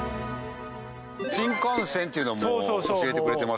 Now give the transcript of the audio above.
新幹線っていうのはもう教えてくれてましたから。